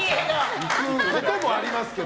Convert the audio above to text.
行くこともありますけど。